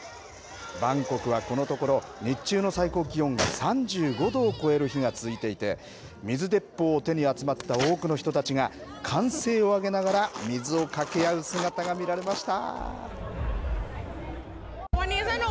バンコクはこのところ日中の最高気温が３５度を超える日が続いていて水鉄砲を手に集まった多くの人たちが歓声を上げながら水をかけ合う姿が見られました。